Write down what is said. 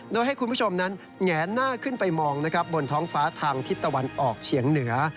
โดยให้คุณผู้ชมนั้นแงนหน้าขึ้นไปมองนะครับบนท้องฟ้าทางทิศตะวันออกเฉียงเหนือ